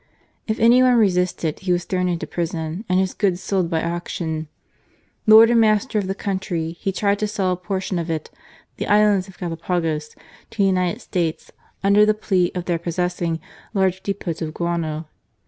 If any one resisted, he was thrown into prison and his goods sold by auction. Lord and master of the countr}', he tried to sell a portion of it, the Islands of Galla pagos, to the United States, on the plea of their possessing large depots of guano.